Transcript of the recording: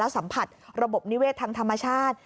สัมผัสระบบนิเวศทางธรรมชาติ